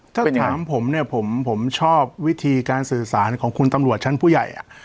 ถ้าถามผมเนี่ยผมชอบวิธีการสื่อสารของคุณตำรวจชั้นผู้ใหญ่